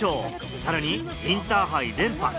さらにインターハイ連覇。